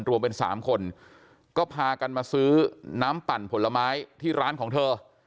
รวมเป็น๓คนก็พากันมาซื้อน้ำปั่นผลไม้ที่ร้านของเธอ